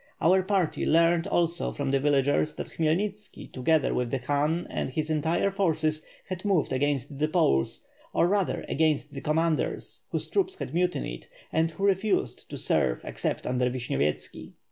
Our party learned also from the villagers that Khmyelnitski together with the Khan and his entire forces had moved against the Poles, or rather against the commanders, whose troops had mutinied, and who refused to serve except under Vishnyovyetski.